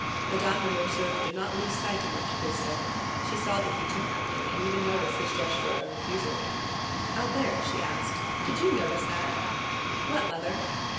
Madame de Morcerf did not lose sight of Monte Cristo; she saw that he took nothing, and even noticed his gesture of refusal. "Albert," she asked, "did you notice that?" "What, mother?"